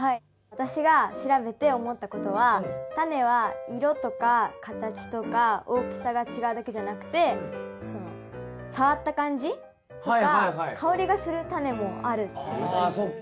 私が調べて思ったことはタネは色とか形とか大きさが違うだけじゃなくて触った感じとか香りがするタネもあるってことに気付きました。